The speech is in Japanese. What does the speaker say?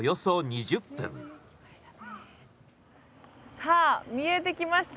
さあ見えてきました！